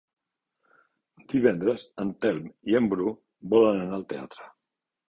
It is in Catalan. Divendres en Telm i en Bru volen anar al teatre.